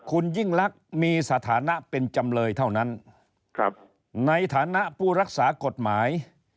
คุณยิ่งลักษณ์มีสถานะเป็นจำเลยเท่านั้นในฐานะผู้รักษากฎหมาย